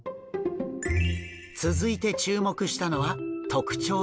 続いて注目したのは特徴的な触角。